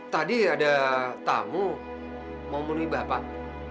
tadi ada tamu memenuhi bapak